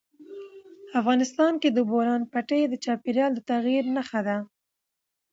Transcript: افغانستان کې د بولان پټي د چاپېریال د تغیر نښه ده.